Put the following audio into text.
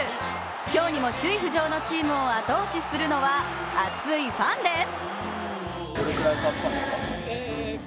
今日にも首位浮上のチームを後押しするのは熱いファンです。